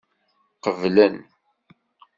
Qeblen.